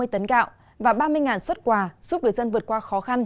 hai mươi tấn gạo và ba mươi xuất quà giúp người dân vượt qua khó khăn